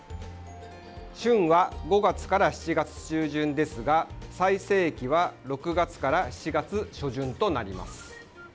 旬は５月から７月中旬ですが最盛期は６月から７月初旬となります。